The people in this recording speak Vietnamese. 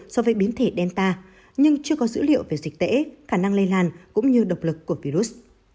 so với biến thể delta nhưng chưa có dữ liệu về dịch tễ khả năng lây lan cũng như độc lực của virus